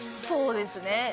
そうですね。